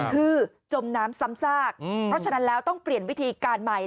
คือจมน้ำซ้ำซากเพราะฉะนั้นแล้วต้องเปลี่ยนวิธีการใหม่